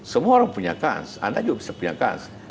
semua orang punya kans anda juga bisa punya kans